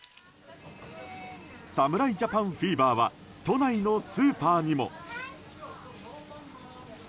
侍ジャパンフィーバーは都内のスーパーにも。